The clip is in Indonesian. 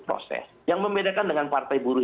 proses yang membedakan dengan partai buruh